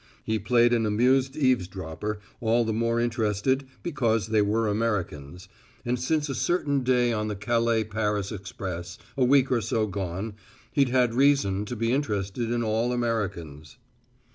He played an amused eavesdropper, all the more interested because they were Americans, and since a certain day on the Calais Paris express, a week or so gone, he'd had reason to be interested in all Americans.